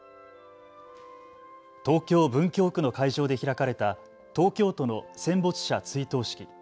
東京文京区の会場で開かれた東京都の戦没者追悼式。